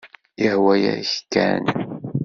Yehwa-yak kan.